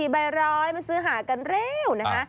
๔ใบร้อยมาซื้อหากันเร็วนะครับ